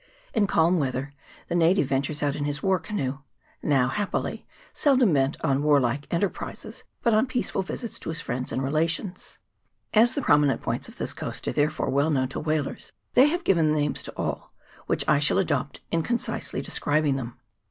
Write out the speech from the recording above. In calm weather the native ventures out in his war canoe, now, happily, seldom bent on warlike enter prises, but on peaceful visits to his friends and rela tions. As the prominent points of this coast are therefore well known to whalers, they have given names to all, which I shall adopt in concisely de scribing them.